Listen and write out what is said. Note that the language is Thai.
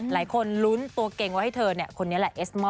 หลายคนลุ้นตัวเก่งไว้ให้เธอเนี่ยคนนี้แหละเอสมอ